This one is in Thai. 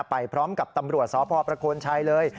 ไปพร้อมกับตำรวจสพชเลย